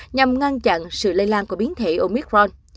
nhằm ngăn chặn sự lây lan của biến thể omicron